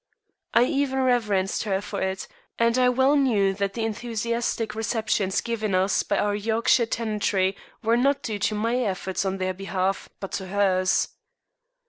I even reverenced her for it, and I well knew that the enthusiastic receptions given us by our Yorkshire tenantry were not due to my efforts in their behalf, but to hers.